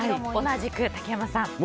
同じく、竹山さん？